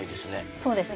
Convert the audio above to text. そうですね